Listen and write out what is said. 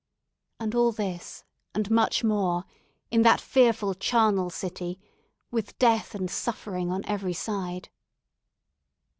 And all this, and much more, in that fearful charnel city, with death and suffering on every side.